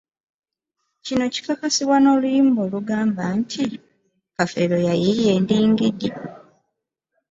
Kino kikakasibwa n’oluyimba olugamba nti “Kafeero yayiiya endingidi.”